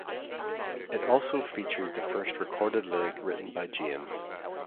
It also featured the first recorded lyric written by James.